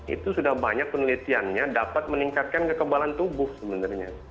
itu sudah banyak penelitiannya dapat meningkatkan kekebalan tubuh sebenarnya